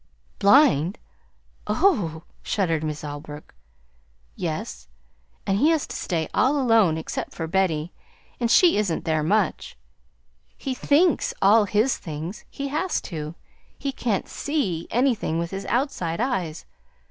"Blind? Oh h!" shuddered Miss Holbrook. "Yes; and he has to stay all alone, except for Betty, and she is n't there much. He THINKS ALL his things. He has to. He can't SEE anything with his outside eyes.